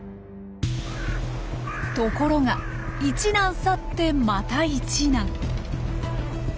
ところが一難去ってまた一難。